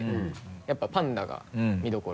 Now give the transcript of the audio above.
やっぱりパンダが見どころ。